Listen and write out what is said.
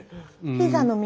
ピザの耳。